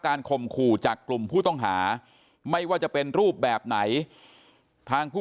ข่มขู่จากกลุ่มผู้ต้องหาไม่ว่าจะเป็นรูปแบบไหนทางผู้